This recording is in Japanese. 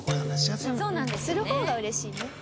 する方が嬉しいね。